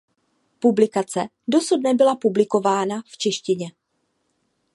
Publikace dosud nebyla publikována v češtině.